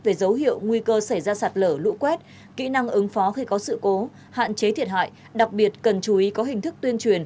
về dấu hiệu nguy cơ xảy ra sạt lở lũ quét kỹ năng ứng phó khi có sự cố hạn chế thiệt hại đặc biệt cần chú ý có hình thức tuyên truyền